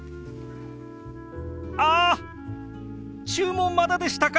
あ注文まだでしたか！